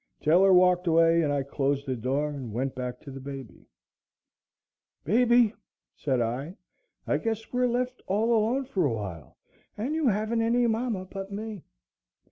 Taylor walked away and I closed the door and went back to the baby. "Baby," said I, "I guess we're left all alone for a while and you haven't any mama but me."